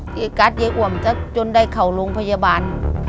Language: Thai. ยายกัดยายอว่ำจนได้เขาลงพยาบาล